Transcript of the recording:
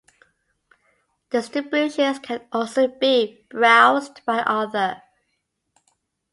Distributions can also be browsed by author.